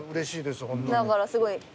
すごい。